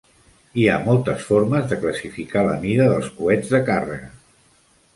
Hi ha moltes formes de classificar la mida dels coets de càrrega.